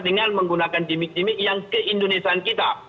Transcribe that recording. dengan menggunakan gimmick gimmick yang ke indonesiaan kita